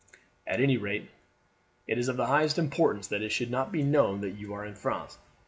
"At any rate it is of the highest importance that it should not be known that you are in France.